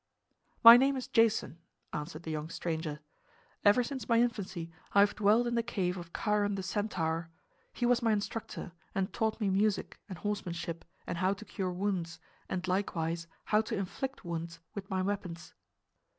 "My name is Jason," answered the young stranger. "Ever since my infancy I have dwelt in the cave of Chiron the Centaur. He was my instructor, and taught me music and horsemanship and how to cure wounds, and likewise how to inflict wounds with my weapons!"